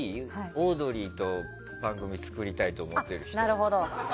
オードリーと番組作りたいと思ってる人。